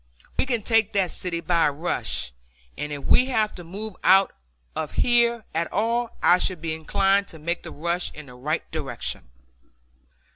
We can take that city by a rush, and if we have to move out of here at all I should be inclined to make the rush in the right direction."